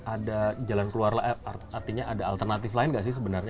ada jalan keluar artinya ada alternatif lain nggak sih sebenarnya